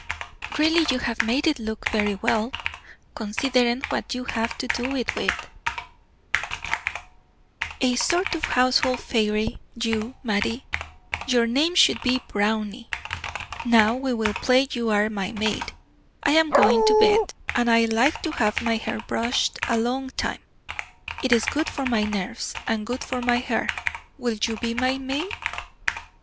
"Really you have made it look very well, considering what you have to do it with. A sort of household fairy, you, Mattie; your name should be Brownie. Now we will play you are my maid. I am going to bed, and I like to have my hair brushed a long time. It is good for my nerves, and good for my hair. Will you be my maid?"